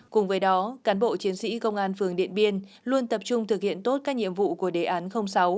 cùng với đó cán bộ chiến sĩ công an phường điện biên luôn tập trung thực hiện tốt các nhiệm vụ của đề án sáu